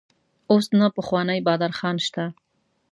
اوس نه پخوانی بادر خان شته.